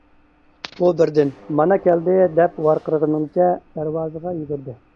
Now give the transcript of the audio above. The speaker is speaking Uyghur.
ئۇ بىردىن: «مانا كەلدى! » دەپ ۋارقىرىغىنىچە دەرۋازىغا يۈگۈردى.